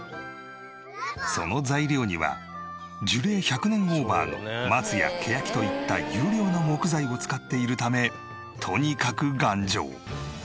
その材料には樹齢１００年オーバーの松や欅といった優良な木材を使っているためとにかく頑丈。